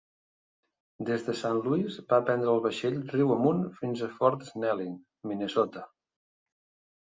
Des de Saint Louis, va prendre el vaixell riu amunt fins a Fort Snelling, Minnesota.